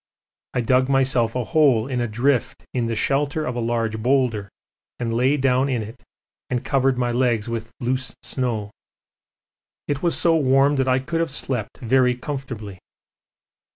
I dug myself a hole in a drift in the shelter of a large boulder and lay down in it, and covered my legs with loose snow. It was so warm that I could have slept very comfortably.